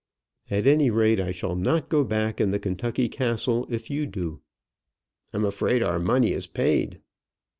"At any rate, I shall not go back in the Kentucky Castle if you do." "I'm afraid our money is paid."